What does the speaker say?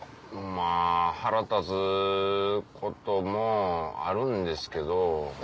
まぁ腹立つこともあるんですけど。